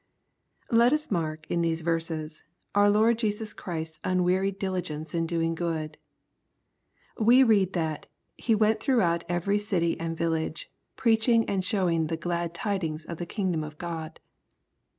Let us mark, in these verses, our Lord Jesus Ohrisfs unwearied diligence in doing good. We read that " He went throughout every city and village, preaching and showing the glad tidings of the kingdom of God."